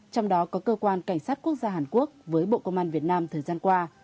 trong đó có cơ quan cảnh sát quốc gia hàn quốc với bộ công an việt nam thời gian qua